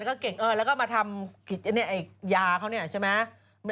แล้วก็เก่งด้วยแล้วก็มาทำยาเขาเนี่ยใช่ไหม